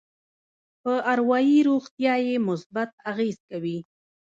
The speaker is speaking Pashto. په اروایي روغتيا يې مثبت اغېز کوي.